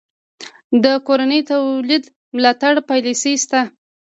د کورني تولید ملاتړ پالیسي شته؟